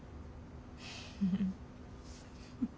フフフフフ。